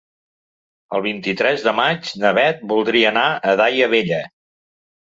El vint-i-tres de maig na Beth voldria anar a Daia Vella.